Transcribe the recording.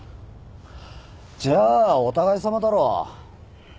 じゃあお互いさまだろ。